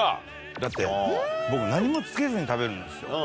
だって僕何もつけずに食べるんですよ。